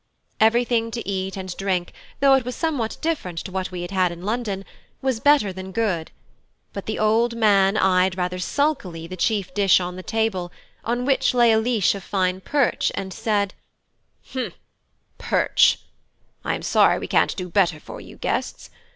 Everything to eat and drink, though it was somewhat different to what we had had in London, was better than good, but the old man eyed rather sulkily the chief dish on the table, on which lay a leash of fine perch, and said: "H'm, perch! I am sorry we can't do better for you, guests.